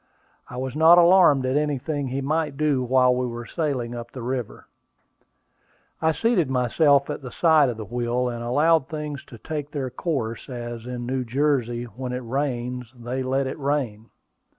I was not alarmed at anything he might do while we were sailing up the river. I seated myself at the side of the wheel, and allowed things to take their course, as, in New Jersey, when it rains, they let it rain.